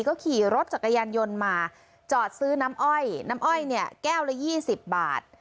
ก็ขี่รถจักรยานยนต์มาจอดซื้อน้ำอ้อยน้ำอ้อยเนี่ยแก้วละ๒๐บาท